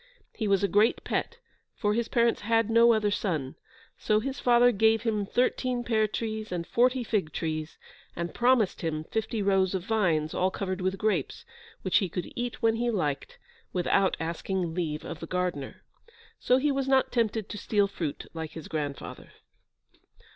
He was a great pet, for his parents had no other son, so his father gave him thirteen pear trees, and forty fig trees, and promised him fifty rows of vines, all covered with grapes, which he could eat when he liked, without asking leave of the gardener. So he was not tempted to steal fruit, like his grandfather.